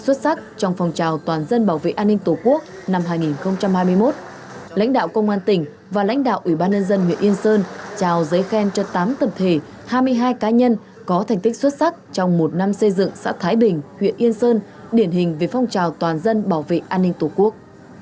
cục xây dựng phong trào bảo vệ an ninh tổ quốc bộ công an ghi nhận mô hình ba tích cực về an ninh trả tự tại xã thái bình trở thành điểm sáng trong phong trào toàn dân bảo vệ an ninh tổ quốc